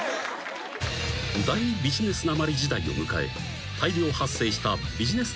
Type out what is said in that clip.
［大ビジネスなまり時代を迎え大量発生したビジネス